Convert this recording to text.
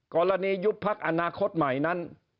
ยุบพักอนาคตใหม่นั้น